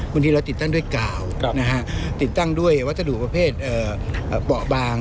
บางทีเราติดตั้งด้วยกาวติดตั้งด้วยวัสดุประเภทเบาะบาง